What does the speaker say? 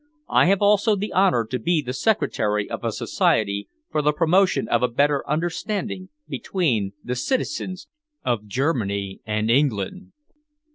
I have also the honour to be the secretary of a society for the promotion of a better understanding between the citizens of Germany and England."